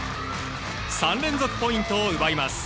３連続ポイントを奪います。